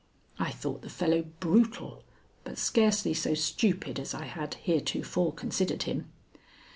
I thought the fellow brutal, but scarcely so stupid as I had heretofore considered him.